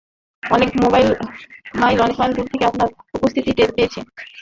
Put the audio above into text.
অনেক মাইল দুরে থেকে আপনার উপস্থিতি টের পেয়েছি।